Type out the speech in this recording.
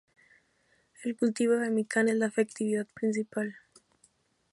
El cultivo de mikan es la actividad principal.